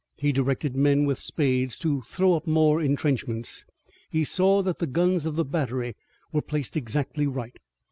He directed men with spades to throw up more intrenchments. He saw that the guns of the battery were placed exactly right.